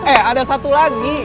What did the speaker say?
eh ada satu lagi